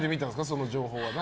その情報は。